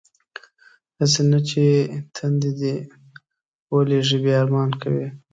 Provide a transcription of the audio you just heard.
هسې نه چې تندی دې ولږي بیا ارمان کوې.